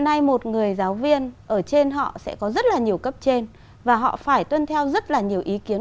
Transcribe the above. giờ nếu như một người giáo viên ở trên họ sẽ có rất là nhiều cấp trên và họ phải tuân theo rất là nhiều ý kiến